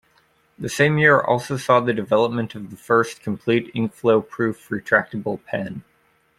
The same year also saw the development of the first complete inkflow-proof retractable pen.